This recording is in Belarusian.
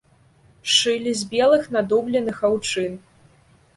Шылі з белых надубленых аўчын.